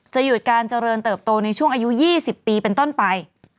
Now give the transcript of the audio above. หยุดการเจริญเติบโตในช่วงอายุ๒๐ปีเป็นต้นไป